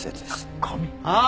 ああ！